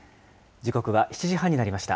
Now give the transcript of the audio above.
時刻は７時半になりました。